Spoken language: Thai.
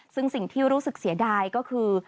ซึ่งสิ่งที่รู้สึกเสียดายก็คือ